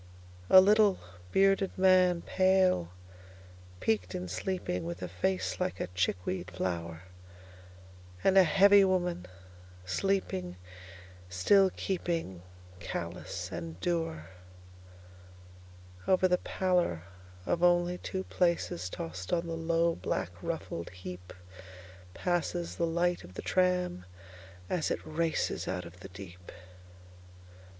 A little, bearded man, pale, peaked in sleeping, With a face like a chickweed flower. And a heavy woman, sleeping still keepingCallous and dour. Over the pallor of only two placesTossed on the low, black, ruffled heapPasses the light of the tram as it racesOut of the deep.